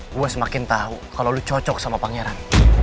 gue semakin tau kalo lo cocok sama pangeran